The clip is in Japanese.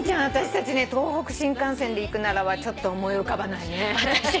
私たちね「東北新幹線で行くなら」はちょっと思い浮かばないね。